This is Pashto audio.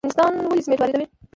افغانستان ولې سمنټ واردوي؟